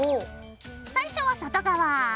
最初は外側。